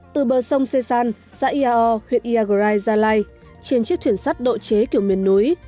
từ bờ sông xê san xã iao huyện iagrai gia lai trên chiếc thuyền sắt độ chế kiểu miền núi